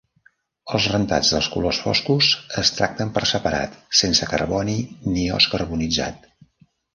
Els rentats dels colors foscos es tracten per separat, sense carboni ni os carbonitzat.